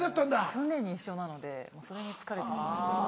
常に一緒なのでそれに疲れてしまいました。